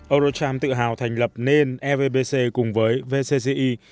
eurocharm tự hào thành lập nên evbc cùng với vcci